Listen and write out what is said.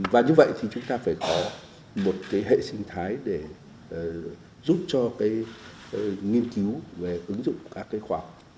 và như vậy thì chúng ta phải có một hệ sinh thái để giúp cho nghiên cứu về ứng dụng các khoa học